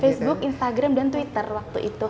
facebook instagram dan twitter waktu itu